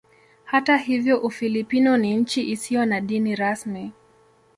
Hata hivyo Ufilipino ni nchi isiyo na dini rasmi.